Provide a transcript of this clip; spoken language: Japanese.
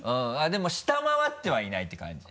でも下回ってはいないって感じ。